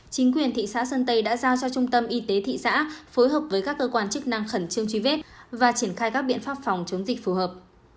chính quyền thị xã sơn tây đã giao cho trung tâm y tế thị xã phối hợp với các cơ quan chức năng khẩn trương truy vết và triển khai các biện pháp phòng chống dịch phù hợp